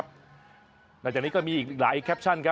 ก็อย่าลืมให้กำลังใจเมย์ในรายการต่อไปนะคะ